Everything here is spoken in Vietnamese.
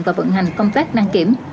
và vận hành công tác đăng kiểm